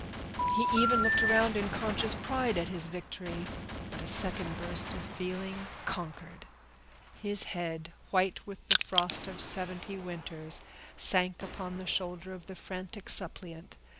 He even looked around in conscious pride at his victory; but a second burst of feeling conquered. His head, white with the frost of seventy winters, sank upon the shoulder of the frantic suppliant.